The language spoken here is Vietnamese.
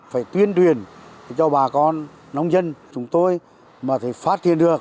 phải tuyên truyền cho bà con nông dân chúng tôi mà phải phát hiện được